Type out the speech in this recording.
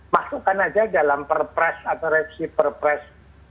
masukkan saja dalam perspres atau resipi perspres satu ratus sembilan puluh satu